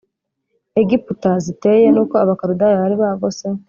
Egiputa ziteye nuko Abakaludaya bari bagose